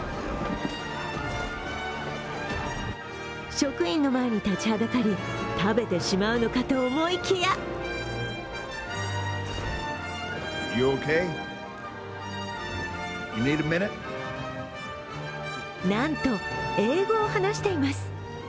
職員の前に立ちはだかり、食べてしまうのかと思いきやなんと、英語を話しています。